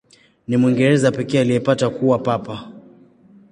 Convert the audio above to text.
Ni Mwingereza pekee aliyepata kuwa Papa.